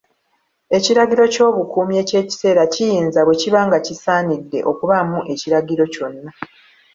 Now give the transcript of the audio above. Ekiragiro ky'obukuumi eky'ekiseera kiyinza, bwe kiba nga kisaanidde okubaamu ekiragiro kyonna.